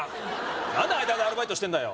何で間でアルバイトしてんだよ